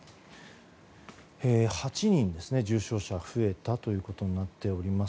８人重症者が増えたということになっております。